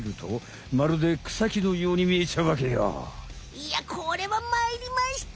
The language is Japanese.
いやこれはまいりました。